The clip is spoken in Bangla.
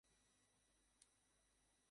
কারণ সব শেষ হয়ে গেছে।